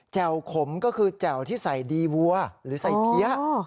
วขมก็คือแจ่วที่ใส่ดีวัวหรือใส่เพี้ย